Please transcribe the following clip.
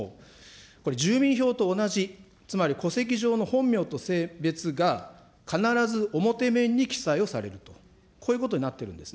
これ、住民票と同じ、つまり、戸籍上の本名と性別が必ず表面に記載をされると、こういうことになっているんですね。